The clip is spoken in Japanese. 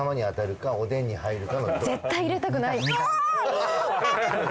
絶対入れたくないああっ！！